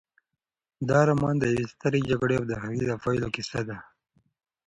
دا رومان د یوې سترې جګړې او د هغې د پایلو کیسه ده.